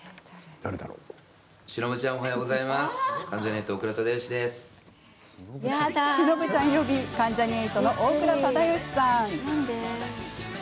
いきなり、しのぶちゃん呼びの関ジャニ∞大倉忠義さん。